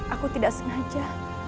aku tidak sengaja